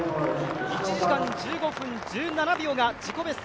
１時間１５分１７秒が自己ベスト。